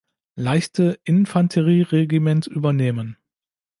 Leichte Infanterieregiment übernehmen.